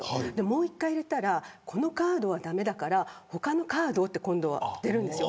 もう１回入れたらこのカードは駄目だから他のカードって出るんです。